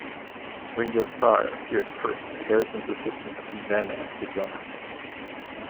Ringo Starr appears first as Harrison's "assistant" and then as the drummer.